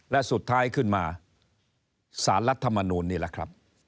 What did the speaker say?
และสุดท้ายขึ้นมาสารรัฐมนูลนี่แหละครับ